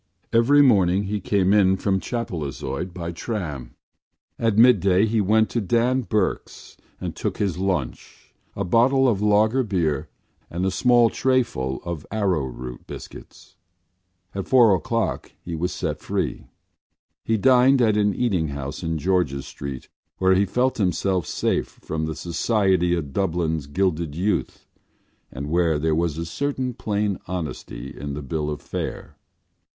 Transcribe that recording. Every morning he came in from Chapelizod by tram. At midday he went to Dan Burke’s and took his lunch—a bottle of lager beer and a small trayful of arrowroot biscuits. At four o’clock he was set free. He dined in an eating house in George’s Street where he felt himself safe from the society of Dublin’s gilded youth and where there was a certain plain honesty in the bill of fare.